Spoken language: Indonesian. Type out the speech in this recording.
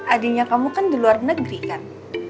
adiknya kamu kan di luar negeri kan